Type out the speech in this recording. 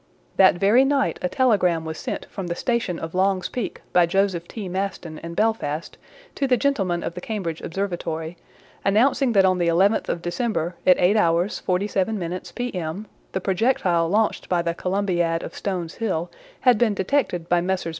That very night a telegram was sent from the station of Long's Peak by Joseph T. Maston and Belfast to the gentlemen of the Cambridge Observatory, announcing that on the 11th of December at 8h. 47m. P.M., the projectile launched by the Columbiad of Stones Hill had been detected by Messrs.